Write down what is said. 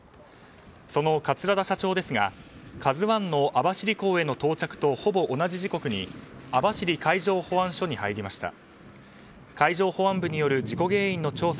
その桂田社長ですが「ＫＡＺＵ１」の網走港への到着とほぼ同じ時刻に網走海上保安署に入りました。